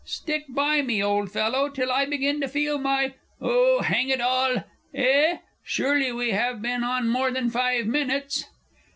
Stick by me, old fellow, till I begin to feel my Oh, hang it all!... Eh? surely we have been on more than five minutes!